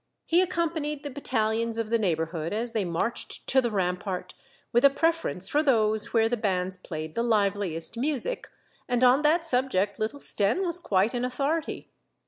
He accompanied the battalions of the neighborhood as they marched to the rampart, with a preference for those where the bands played the liveliest music, and on that subject Httle Stenne was quite an authority.